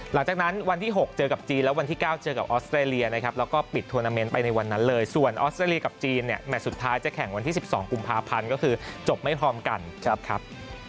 หลังจากที่๖เจอกับจีนแล้ววันที่๙เจอกับออสเตรเลียนะครับแล้วก็ปิดทวนาเมนต์ไปในวันนั้นเลยส่วนออสเตรเลียกับจีนเนี่ยแมทสุดท้ายจะแข่งวันที่๑๒กุมภาพันธ์ก็คือจบไม่พร้อมกันครับ